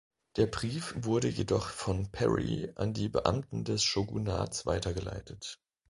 Der Brief wurde jedoch von Perry an die Beamten des Shogunats weitergeleitet.